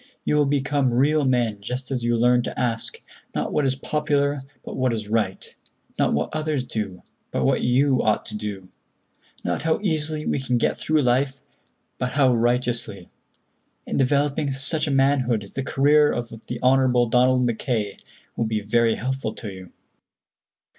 You will become real men just as you learn to ask, not what is popular, but what is right; not what others do, but what you ought to do; not how easily we can get through life, but how righteously. In developing such a manhood the career of Hon. Donald Mackay will be very helpful to you.